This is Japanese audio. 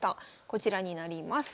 こちらになります。